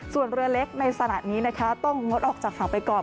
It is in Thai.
ส่วนเรือเล็กในขณะนี้นะคะต้องงดออกจากฝั่งไปก่อน